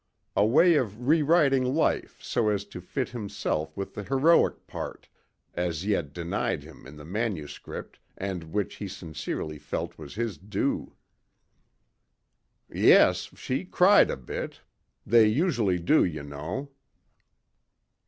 A way of rewriting life so as to fit himself with the heroic part, as yet denied him in the manuscript and which he sincerely felt was his due. "Yes, she cried a bit. They usually do, you know."